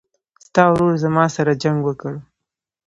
ستا ورور زما سره جنګ وکړ